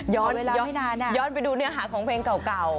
ย้อนไปดูเนื้อหาของเพลงเก่า